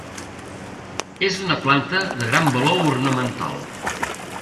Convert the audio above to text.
És una planta de gran valor ornamental.